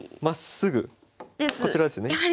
まっすぐこちらですね。